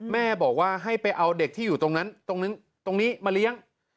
แม่บอกว่าให้ไปเอาเด็กที่อยู่ตรงนั้นตรงนี้มาเลี้ยง